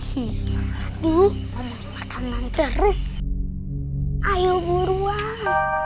hai siaduk makan manjeru ayo buruan